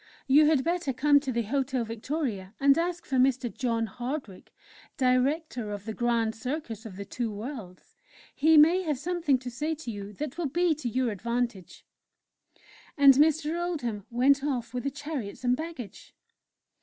You had better come to the Hotel Victoria, and ask for Mr. John Hardwick, Director of the 'Grand Circus of the Two Worlds' he may have something to say to you that will be to your advantage." And Mr. Oldham went off with the chariots and baggage.